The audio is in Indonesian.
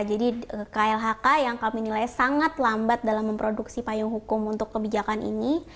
jadi klhk yang kami nilai sangat lambat dalam memproduksi payung hukum untuk kebijakan ini